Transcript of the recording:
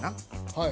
はい。